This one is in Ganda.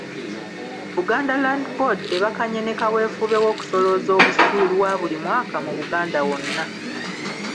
Buganda Land Board ebakanye ne kaweefube w’okusolooza obusuulu wa buli mwaka mu Buganda wonna.